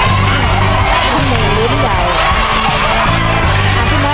ครอบครัวของแม่ปุ้ยจังหวัดสะแก้วนะครับ